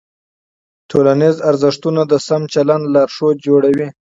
ټولنیز ارزښتونه د سم چلند لارښود جوړوي.